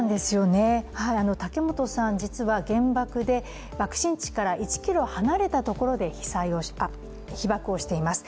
竹本さん、実は原爆で爆心地から１ｋｍ離れたところで被爆しています。